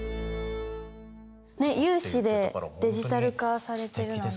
ね有志でデジタル化されてるなんて。